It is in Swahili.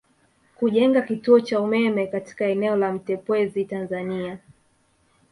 Kujenga kituo cha umeme katika eneo la Mtepwezi Tanzania